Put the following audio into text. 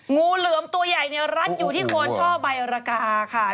งูเหลือมตัวใหญ่เนี่ยรัดอยู่ที่โคนช่อใบระกาค่ะ